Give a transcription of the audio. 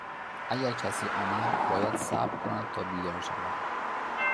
اگر کسی آمد باید صبر کند تا بیدار شوم.